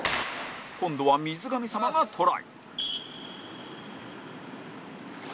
今度は水神さまがトライ